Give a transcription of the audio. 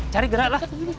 cari gerak lah